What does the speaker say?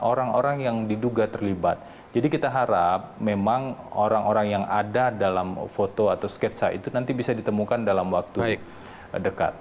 orang orang yang diduga terlibat jadi kita harap memang orang orang yang ada dalam foto atau sketsa itu nanti bisa ditemukan dalam waktu dekat